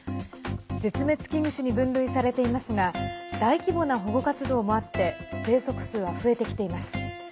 絶滅危惧種に分類されていますが大規模な保護活動もあって生息数は増えてきています。